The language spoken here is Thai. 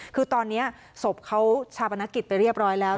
คือตอนนี้ศพเขาชาปนกิจไปเรียบร้อยแล้ว